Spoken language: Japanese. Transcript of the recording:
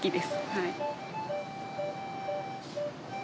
はい。